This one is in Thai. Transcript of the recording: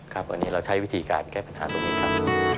ครับวันนี้เราใช้วิธีการแก้ปัญหาตรงนี้ครับ